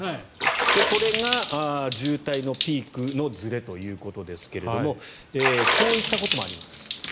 これが渋滞のピークのずれということですがこういったこともあります。